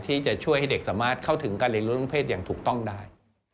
ที่จะช่วยให้เด็กสามารถเข้าถึงการเรียนรู้ทางเพศอย่างถูกต้องได้